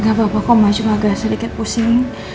gak apa apa kok maju agak sedikit pusing